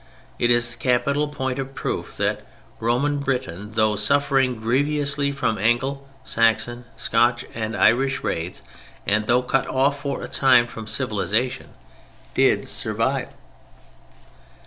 It is the capital point of proof that Roman Britain, though suffering grievously from the Angle, Saxon, Scotch, and Irish raids, and though cut off for a time from civilization, did survive.